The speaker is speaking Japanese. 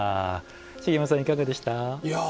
茂山さん、いかがでした。